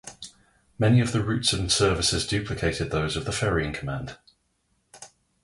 Many of the routes and services duplicated those of the Ferrying Command.